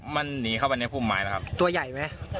มันหนีเข้าไปในภูมิไม้นะครับตัวใหญ่ไหม